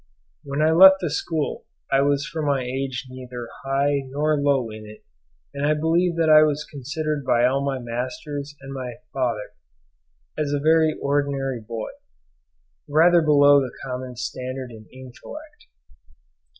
When I left the school I was for my age neither high nor low in it; and I believe that I was considered by all my masters and by my father as a very ordinary boy, rather below the common standard in intellect.